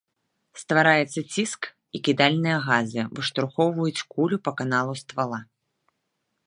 Ствараецца ціск і кідальныя газы выштурхоўваюць кулю па каналу ствала.